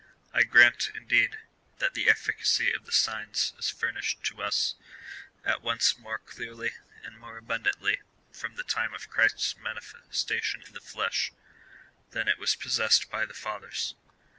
I grant, indeed, that the efficacy of the signs is furnished to us at once more clearly and more abundantly from the time of Christ's mani festation in the flesh than it was possessed by the fathers.